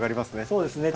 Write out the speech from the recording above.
そうですね。